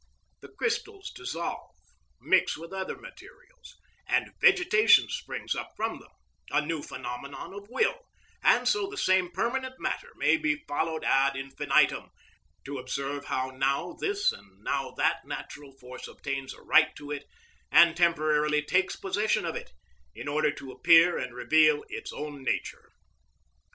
The crystals dissolve, mix with other materials, and vegetation springs up from them—a new phenomenon of will: and so the same permanent matter may be followed ad infinitum, to observe how now this and now that natural force obtains a right to it and temporarily takes possession of it, in order to appear and reveal its own nature.